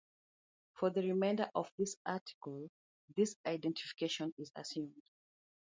For the remainder of this article, this identification is assumed.